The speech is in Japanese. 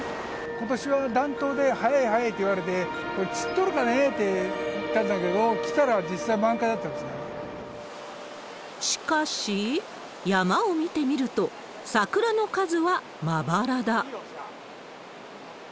ことしは暖冬で早い早いって言われて、ちっとるかね？って言ったんだけど、しかし、山を見てみると、桜の数はまばらだ。